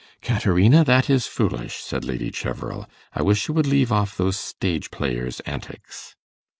'Caterina, that is foolish,' said Lady Cheverel. 'I wish you would leave off those stage players' antics.